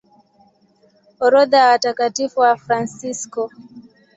Orodha ya Watakatifu Wafransisko